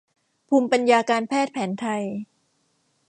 ภูมิปัญญาการแพทย์แผนไทย